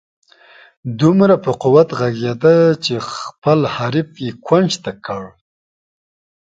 دومره په قوت ږغېده چې خپل حریف یې کونج ته کړ.